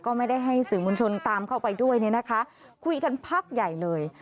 ก็ไม่ได้ให้สื่อมวลชนตามเข้าไปด้วยเนี่ยนะคะคุยกันพักใหญ่เลย